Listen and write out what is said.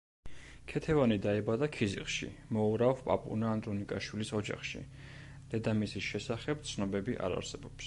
ქეთევანი დაიბადა ქიზიყში, მოურავ პაპუნა ანდრონიკაშვილის ოჯახში, დედამისის შესახებ ცნობები არ არსებობს.